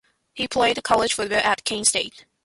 He played college football at Kent State.